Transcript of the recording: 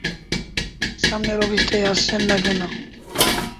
সামনের অফিসটায় আসছেন না কেন?